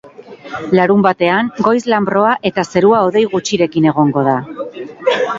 Larunbatean, goiz-lanbroa eta zerua hodei gutxirekin egongo da.